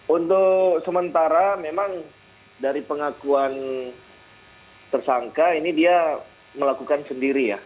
untuk sementara memang dari pengakuan tersangka ini dia melakukan sendiri ya